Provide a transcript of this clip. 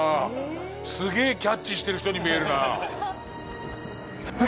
すげえキャッチしてる人に見えるな。